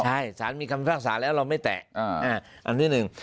ใช่สารมีคำพิพากษาแล้วเราไม่แตะอันที่หนึ่ง